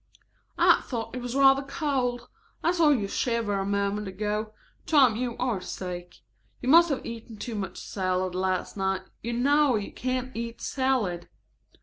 "I thought it was rather cold. I saw you shiver a moment ago. Tom, you are sick. You must have eaten too much salad last night. You know you can't eat salad."